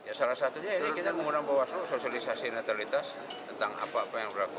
kita mengundang bawaslu sosialisasi netralitas tentang apa apa yang berlaku